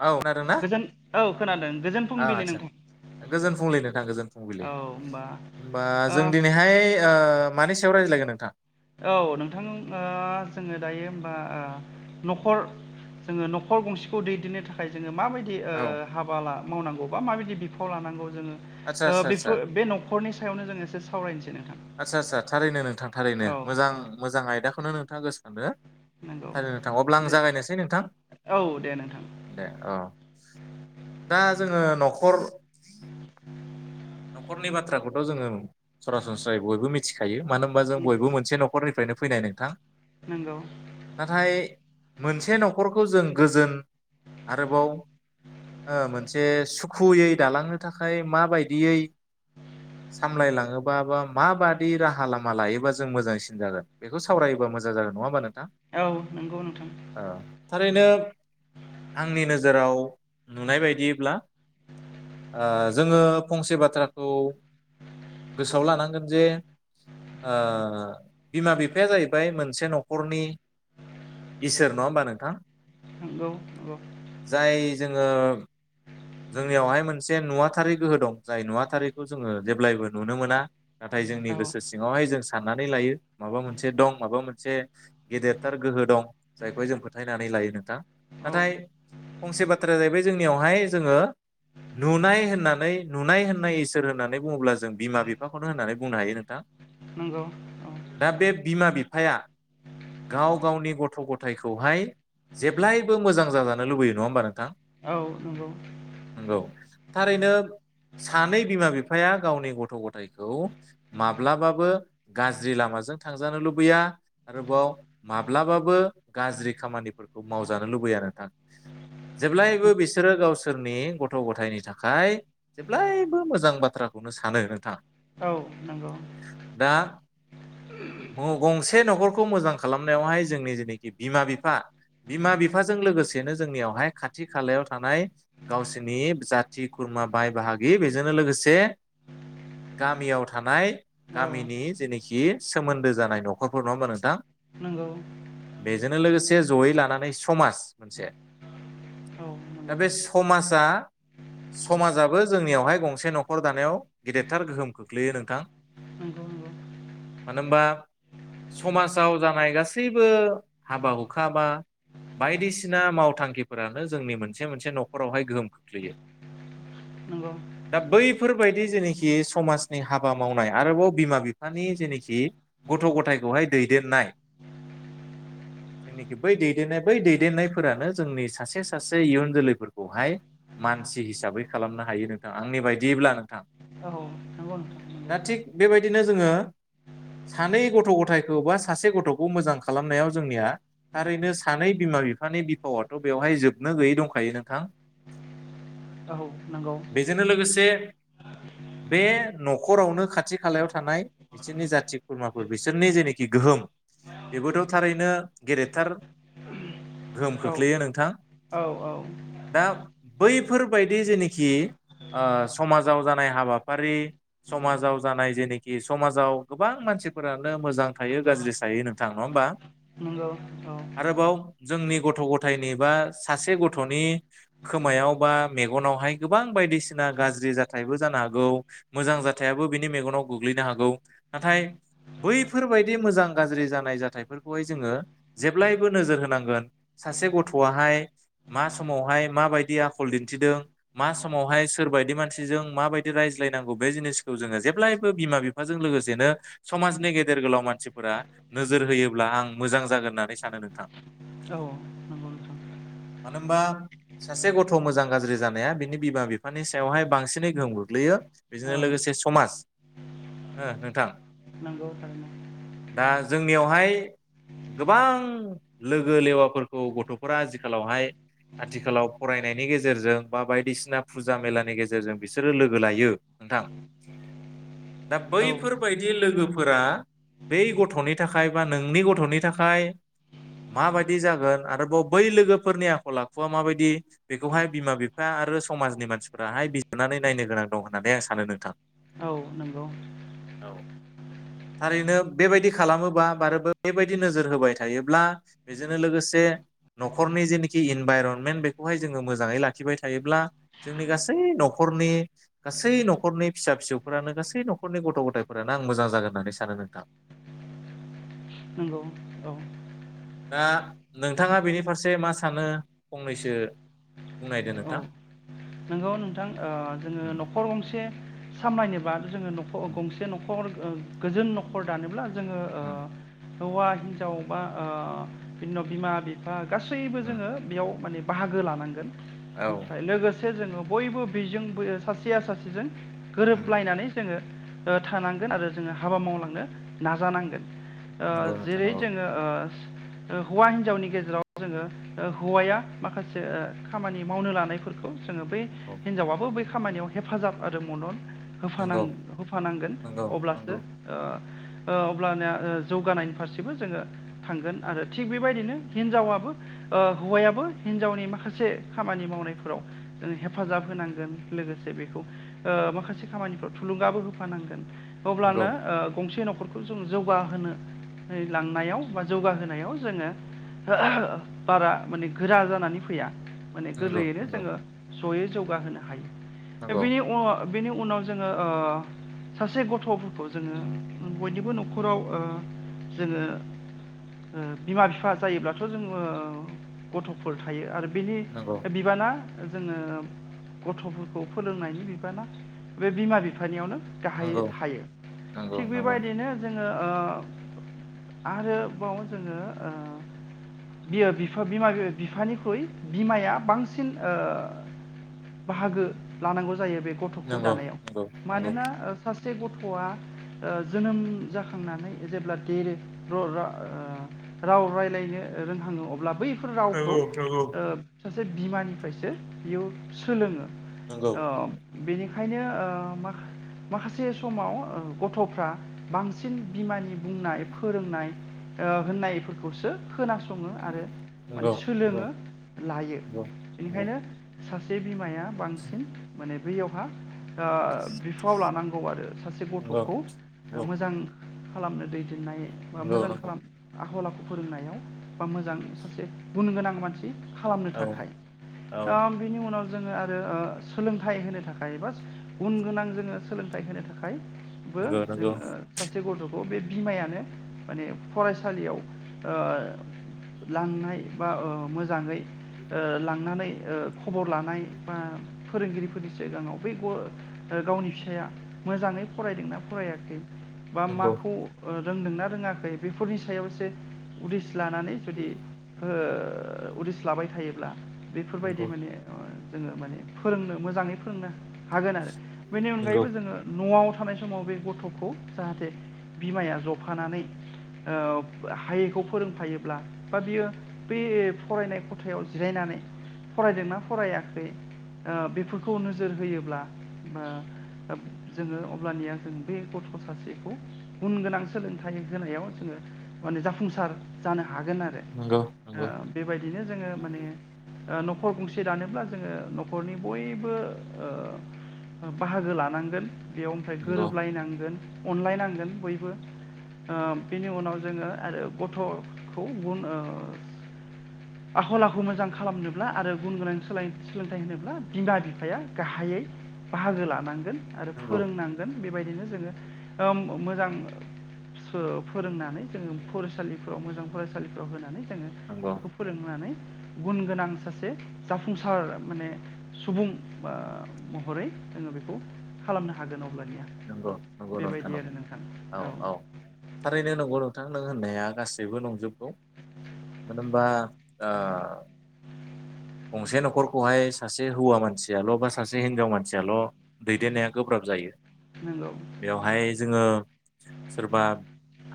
औ खोनादों ना गोजोन औ खोनादों गोजोन फुंबिलि आदसा नोंथां। गोजोन फुंबिलि नोंथां गोजोन फुंबिलि होमबा जों ओ दिनैहाय ओ मानि सायाव रायज्लायगोन नोंथां? औ नोंथां ओ जोङो दायो होनबा ओ न'खर जोङो न'खर गंसेखौ दैदेननो थाखाय जोङो माबायदि औ ओ हाबा ला मावनांगौ बा माबायदि बिफाव लानांगौ जों आदसा आदसा आदसा बेफोर बे न'खरनि सायावनो जों एसे सावरायनोसै नोंथां आदसा आदसा थारैनो नोंथां थारैनो औ मोजां औ मोजां आयदाखौनो नोंथांङा सानदों नंगौ थारैनो नोंथां अब्ला आं दे जागायनोसै नोंथां? औ दे नोंथां दे औ दा जोङो न'खर न'खरनि बाथ्राखौथ' जोङो सरासनस्रायै बयबो मिथिखायो। मानो होनबा जों बयबो मोनसे न'खरनिफ्रायनो फैनाय नोंथां। नंगौ नाथाय मोनसे न'खरखौ जों गोजोन आरोबाव ओ मोनसे सुखुयै दालांनो थाखाय माबायदियै सामलायलाङोबा बा माबादि राहा लामा लायोबा जों मोजांसिन जागोन बेखौ सावराय बा मोजां जागोन नंङा होमबा नों औ नंगौ नोंथां। थारैनो आंनि नोजोराव नुनाय बायदिब्ला ओ जोङो फंसे बाथ्राखौ गोसोआव लानांगोन जे ओ बिमा बिफाया जाहैबाय मोनसे न'खरनि इसोर नंङा होमबा नोंथां नंगौ नंगौ जाय जोंङो जोंनियावहाय मोनसे नुवाथारै गोहो दं जाय नुवाथारैखौ जोङो जेब्लायबो नुनो मोना नाथाय जोंनि औ गोसो सिङावहाय जों साननानै लायो माबा मोनसे दं माबा मोनसे गेदेरथार गोहो दं जायखौहाय जों फोथायनानै लायो नोंथां औ नाथाय फंसे बाथ्राया जाहैबाय जोंनियावहाय जोंङो नुनाय होननानै नुनाय होननाय इसोर होननानै बुंङोब्ला जों बिमा बिफाखौनो होननानै बुंनो हायो नोंथां। नंगौ। दा बे बिमा बिफाया गाव गावनि गथ' गथायखौहाय जेब्लायबो मोजां जाजानो लुबैयो नङा होमबा नोंथां? औ नंगौ। नंगौ थारैनो सानै बिमा बिफाया गावनि गथ' गथायखौ माब्लाबाबो गाज्रि लामा जों थांजानो लुबैया आरोबाव माब्लाबाबो गाज्रि खामानिफोरखौ मावजानो लुबै या नोंथां जेब्लायबो बिसोरो गाव सोरनि गथ' गथायनि थाखाय जेब्लायबो मोजां बाथ्राखौनो सानो नोंथां। औ नंगौ। दा मौ गंसे न'खरखौ मोजां खालामनायावहाय जोंनि जेनोखि बिमा बिफा बिमा बिफाजों लोगोसेनो जोंनियावहाय खाथि खालायाव थानाय गावसोरनि जाथि खुरमा बाय बाहागि बेजोंनो लोगोसे गामियाव थानाय औ गामिनि जेेने खि सोमोन्दो जानाय न'खरफोर नङा होमबा नोंथां? नंगौ बेजोंनो लोगोसे जयै लानानै समाज मोनसे। औ नंगौ। समाजआ समाजाबो जोंनियावहाय गंसे न'खर दानायाव गेदेदथार गोहोम खोख्लैयो नोंथां। नंगौ नों मानो होनबा समाजाव जानाय गासैबो हाबा हुखा बा बायदिसिना मावथांखिफोरानो जोंनि मोनसे मोनसे न'खरावहाय गोहोम खोख्लैयो। नंगौ दा बैफोरबायदि जेनेखि समाजनि हाबा मावनाय आरोबाव बिमा बिफानि जेनेखि गथ' गथायखौहाय दैदेननाय। जेनेखि बै दैदेननाय बै दैदेननायफोरानो जोंनि सासे सासे इयुन जोलैफोरख हाय मानसि हिसाबै खालामनो हायो नोंथां आंनि बायदियोब्ला नोंथां नंगौ औ नंगौ नोंथां दा थिग बेबायदिनो जोङो सानै गथ' गथायखौ बा सासे गथ'खौ मोजां खालामनायाव जोंनिया थारैनो सानै बिम बिमा बिफानि बिफावथ' बेवहाय जोबनो गैयै दंखायो नोंथां औ नांगौ बेजोंनो [inaudible] बे न'खरावनो खाथि खालायाव थानाय बिसोरनि जाथि खुरमाफोर बिसोरनि जेनेखि गोहोम बेबोथ' थारैनो गेदेरथार गोहोम खोख्लैयो नोंथां। औ औ दा बैफोरबायदि जेनोखि ओ समाजाव जानाय हाबाफारि समाजाव जानाय जेनोखि समाजाव गोबां मान मानसिफोरानो मोजां थायो गाज्रि थायो नोंथां नङा होमबा? नंगौ औ आरोबाव जोंनि गथ' गथायनि बा सासे गथ'नि खोमायाव बा मेगनावहाय गोबां बायदिसिना गाज्रि जाथायबो जानो हागौ मोजां जा जाथायाबो बिनि मेगनाव गोग्लैनो हागौ नाथाय बैफोरबायदि मोजां गाज्रि जानाय जाथायफोरखौहाय जोङो जेब्लायबो नोजोर होनांगोन सासे गथ'आहाय मा स मावहाय मा बायदि आखल दिन्थिदों मा समावहाय सोर बायदि मानसिजों मा बायदि रायज्लायनांगौ बे जिनिसखौ जोङो जेब्लायबो बिमा बिफाजों लोगोसेनो समाजनि गेदेर गोलाव मानसिफोरा नोजोर होयोब्ला आं मोजां जागोन होननानै सानो नोंथां। औ नंगौ नोंथां [inaudible] मानो होमबा सासे गथ' मोजां गाज्रि जानाया बिनि बिमा बिफानि सायावहाय बांसिनै गोहोम गोग्लैयो बिदिनो लोगोसे औ समाज हो नोंथां नोंगौ [unintelligible] दा जोंनियावहाय गोबां लोगो लेवाफोरखौ गथ'फोरा आजिखालावहाय आथिखालाव फरायनायनि गेजेरजों बा बायदिसिना फुजा मेलानि गेजेरजों बिसोरो लोगो लायो नोंथा [inaudible] दा औ बैफोरबायदि लोगो फोरा बै गथ'नि थाखाय बा नोंनि गथ'नि थाखाय माबायदि जागोन आरोबाव बै लोगोफोरनि आखला खुवा माबायदि बेखौहाय बिमा बिफा आरो समाजनि मानसिफोराहाय बिजिरनानै नायनो गोनां दं होननानै आं सान सानो नोंथां। औ नोंगौ। औ थारैनो बेबायदि खालामोबा बारा बेबायदि नोजोर होबाय थायोब्ला बेजोंनो लोगोसे से न'खरनि जेनिखि इन भाइरनमेन्ट बेखौहाय जोङो मोजाङै लाखिबाय थायोब्ला जोंनि गासै न'खरनि गासै न'खरनि फिसा फिसौफोरानो गासै न'खरनि गथ' गथ'थायफोरानो आं मोजां जागोन होननानै सानो नोंथां। [inaudible] नोंगौ औ। दा नोंथाङा बेनि फारसे मा सानो फंनैसो बुंनायदो औ नोंथां। नोंगौ नोंथां ओ जोङो उम न'खर गंसे सामलायनोबा जोङो उम गंसे न'खर ओ गोजोन न'खर दानोब्ला जों ओं हौवा हिनजाव बा ओ बिनि उनाव बिमा बिफा गासैबो उम जोङो बेयाव माने बाहागो लानांगोन औ ओमफ्राय लोगोसे जोङो बयबो बिजोंबो सासेया सासेजों उम गोरोबलायनानै जोङो ओ थानांगोन आरो जोङो हाबा मावलांनो नाजानांगोन। ओ नंगौ नोंथां जेरै औ जोङो ओ [inaudible] ओ हौवा हिनजावनि गेजेराव जोङो ओ हौवाया माखासे ओ खामानि मावनो लानायफोरखौ जोङो बे औ हिनजावाबो बै खामानियाव हेफाजाब आरो मदद होफानां नंगौ होफानांगोन नंगौ अब्लासो नंगौ ओ! ओ अब्लानो ओ जौगानायनि फारसेबो जोङो थांगोन आरो थिग बेबायदिनो हिनजावा बो ओ हौवायाबो हिनजावनि माखासे खामानि मावनायफोराव ओ हेफाजाब होनांगोन लोगोसे बेखौ ओ माखासे खामानिफ्राव थुलुंगाबो होफानांगोन। नंगौ अब्लानो ओ गंसे न'खरखौ जौ जौगाहोनो। लांनायाव बा जौगाहोनायाव जोङो। बारा माने गोरा जानानै फैया। माने नंगौ गोरलैयैनो नंगौ जोङो जयै जौगाहोनो हायो बिनि उन बेनि उनाव जोङो ओ सासे गथ'फोरखौ जोङो बयनिबो न'खराव ओ जोङो। ओ बिमा बिफा जायोब्लाथ' जोङो गथ'फोर थायो आरो। बिनि नंगौ बिबाना जोङो गथ'फोरखौ फोरोंनायनि बिबाना बे बिमा बिफानियावनो। गाहायै नंगौ थायो नंगौ थिग बेबायदिनो जोङो ओ। आरोबाव जोङो ओ बियो बिफा बिमा बिफानिख्रुइ बिमाया बांसिन ओ बाहागो लानांगौ जायो बे गथ'खौ नंगौ दानायाव नंगौ मानोना ओ सा से गथ'आ ओ जोनोम जाखांनानै जेब्ला देर र रा ओ राव रायज्लायनो। रोंहाङो अब्ला बै फोर रावखौ नंगौ ओ सासे बिमानिफ्रायसो बियो सोलोङो। नंगौ अ बिनिखा ओंखायनो ओ माखा- माखासे समाव ओ गथ'फ्रा बांसिन बिमानि बुं नाय फोरोंनाय ओ होननायफोरखौसो खोनासङो आरो माने नंगौ नंगौ सोलोङो नंगौ लायो नंगौ बेनिखायनो सासे बिमाया बांसिन माने बैयावहा ओ बिफाव लानांगौ आरो सासे नंगौ गथ'खौ मोजां खालामनो दै नाय नंगौ बा मोजां नंगौ खालाम आखल आखु फोरोंनायाव बा मोजां सासे गुन गोनां मानसि खालामनो औ थाखाय औ ओम। उनाव जोङो आरो ओ सोलोंथाइ होनो थाखाय बा गुन गोनां जोङो सोलोंथाइ होनो थाखाय। बो नंगौ नंगौ जोङो सासे गथ' खौ बे बिमायानो माने फरायसालियाव ओ लांनाय बा ओ मोजाङै ओ लांनानै ओ खबर लानाय बा फोरोंगिरिफोरनि सिगाङाव बै ग- गावनि फिसाया मोजां‌। फरायदोंना फरायाखै बा नंगौ माखौ ओ रोंदोंना रोङाखै बेफोरनि सायाव एसे उदस लानानै जुदि ओ उदिस लाबाय थायोब्ला। बेफोरबायदि नंगौ माने जोङो माने फोरोंनो मोजाङै फोरोंनो। हागोन आरो बेनि नंगौ अनगायैबो जोङो न'आव थानाय समाव बे गथ'खौ जाहाथे बिमाया जफानानै। ओ हायैखौ फोरोंफायोब्ला बा बियो बै फरायनाय खथायाव जिरायना। फरायदोंना फरायाखै ओ बेफोरखौ नोजोर होयोब्ला ओ ओब जोङो अब्लानिया जों बे गथ' सासेखौ गुन गोनां सोलोंथाइ होनायाव जोङो माने जाफुंसार जानो हा हागोन आरो नंगौ नंगौ नंगौ ओ बेबायदिनो जोङो माने ओ न खर गंसे दानोब्ला जोङो न'खरनि बयबो ओ बाहागो लानांगोन बेयाव ओमफ्राय गोरोबलायनांगोन अनलायनांगोन बयबो ओ बिनि उनाव जोङो आरो गथ'खौ गुन ओ आखल आखु मोजां खालामनो ब्ला आरो गुन गोनां सोलाय सोलोंथाइ होनोब्ला बिमा बिफाया गाहायै बाहागो लानांगोन। आरो नंगौ फोरोंनांगोन बेबायदिनो जोङो ओम मोजां सो फोरोंनानै जोङो फरायसालिफ्राव मोजां फरायसालिफ्राव होनानै जोङो नंगौ बेखौ फोरोंनानै गुन गोनां सासे जाफुंसार माने सुबुं ओ महरै जोङो बेखौ खालामनो हागोन औ नंगौ नंगौ नोंथां नंगौ औ औ थारैनो नंगौ नोंथां होननाया गासै बो नंजोबगौ मानो होनबा ओ गंसे न'खरखौहाय सासे हौवा मानसियाल' बा सासे हिनजाव मानसियाल' दैदेननाया गोब्राब जायो। नंगौ बेवहाय जोङो सोरबा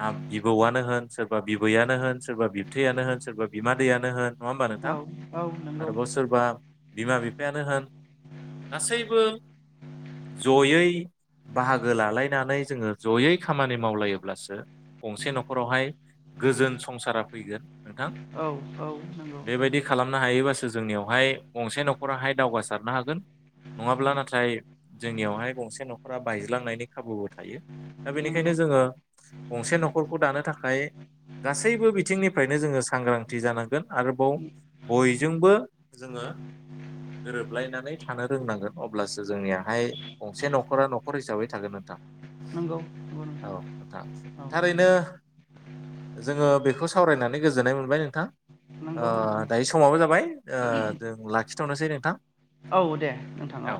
आब बिबौआनो होन सोर सोरबा बिबैयानो होन सोरबा बिबथैयानो होन सोरबा बिमादैयानो होन नङा होमबा नोंथां औ औ। नंगौ आरोबाव सोरबा बिमा बिफायानो होन गासैबो ज'यै बाहागो लालायनानै जोङो ज'यै खामानि मावलायोब्लासो गंसे न'खरावहाय गोजोन संसारा फैगोन नोंथां औ नंगौ बेबायदि खालामनो हायोबा नियावहाय गंसे न'खराहाय दावगासारनो हागोन। नङाब्ला नाथाय जोंनियावहाय गंसे न'खरा बायज्लांनायनि खाबुबो थायो दा नंगौ बेनिखायनो जोङो गंसे न'खरखौ दानो थाखाय गासैबो बिथिंनिफ्रायनो जोङो सांग्रांथि जानांगोन आरोबाव बय जोंबो जोङो गोरोबलायनानै थानो रोंनांगोन अब्लासो जोंनियाहाय गंसे न'खरा न'खर हिसाबै थागोन नोंथां नोंगौ औ आथा थारैनो जोङो बेखौ सावरायनानै गोजोननाय मोनबाय नोंथां नंगौ नोंथां दायो समावो जाबाय -बाय ओ जों लाखिथ'नोसै नोंथां औ दे नोंथां औ